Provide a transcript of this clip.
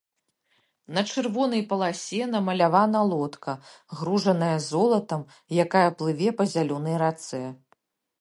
На чырвонай паласе намалявана лодка, гружаная золатам, якая плыве па зялёнай рацэ.